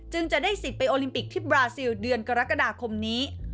จะได้สิทธิ์ไปโอลิมปิกที่บราซิลเดือนกรกฎาคมนี้